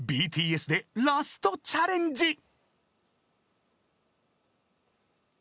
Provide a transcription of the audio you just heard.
［ＢＴＳでラストチャレンジ］